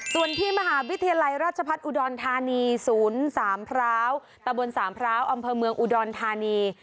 ส่วนที่มหาวิทยาลัยราชพัฒน์อุดรธานี๐๓พร้าวตะบนสามพร้าวอำเภอเมืองอุดรธานี